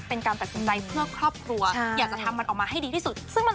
เป็นการตัดสินใจเพื่อครอบครัวอยากจะทำมันออกมาให้ดีที่สุดซึ่งมัน